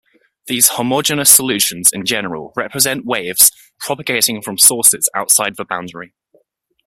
These homogeneous solutions in general represent waves propagating from sources outside the boundary.